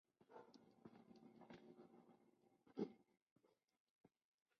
Pero, amparándose en el ya abandonado Pacto Social, rechazó todo aumento de salarios.